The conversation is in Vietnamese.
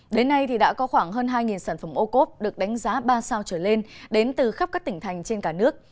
đến nay đã có khoảng hơn hai sản phẩm ô cốp được đánh giá ba sao trở lên đến từ khắp các tỉnh thành trên cả nước